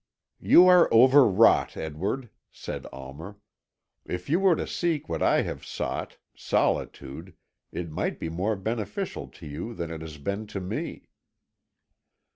"You are over wrought, Edward," said Almer. "If you were to seek what I have sought, solitude, it might be more beneficial to you than it has been to me."